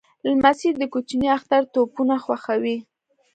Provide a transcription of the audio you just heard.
لمسی د کوچني اختر توپونه خوښوي.